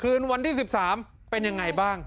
คืนวันที่๑๓เป็นยังไงบ้าง